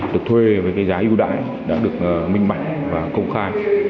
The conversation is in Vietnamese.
được thuê với giá ưu đãi đã được minh mạnh và công khai